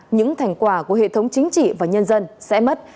những thành quả của hệ thống chính trị và nhân dân sẽ mất